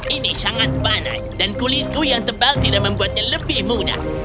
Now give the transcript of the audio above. ini sangat panas dan kuliku yang tebal tidak membuatnya lebih mudah